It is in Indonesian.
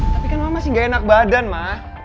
tapi kan mama masih gak enak badan mah